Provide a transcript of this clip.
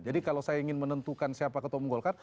jadi kalau saya ingin menentukan siapa ketemu golkar